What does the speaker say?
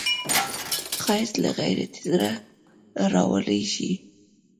ښایست له غیرتي زړه نه راولاړیږي